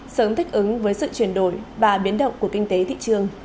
sớm thích ứng với sự chuyển đổi và biến động của kinh tế thị trường